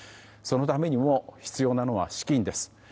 そのためにも必要なのは資金です。